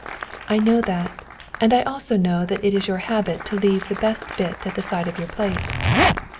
"I know that, and I also know that it is your habit to leave the best bit at the side of your plate."